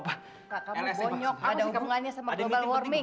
kamu bonyok ada hubungannya sama global warming